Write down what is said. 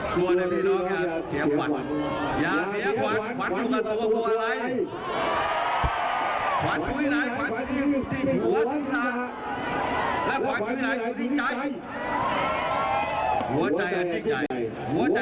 จะมีพิธีบุคลาวิ้งฉากงี้อีกแล้วครับแผนที่ดีซักทีใครโดยยกไม่ได้ก็เลยค่ะ